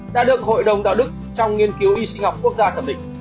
đã được hội đồng đạo đức trong nghiên cứu y sinh học quốc gia tập tịch